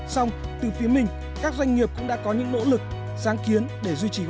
xong từ phía mình các doanh nghiệp cũng đã có những nỗ lực sáng kiến để duy trì